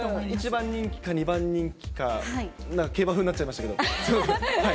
１番人気か、２番人気、競馬風になっちゃいましたけど。